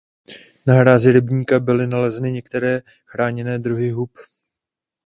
Na hrázi rybníka byly nalezeny některé chráněné druhy hub.